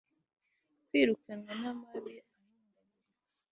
kwirukanwa n'amababi ahindagurika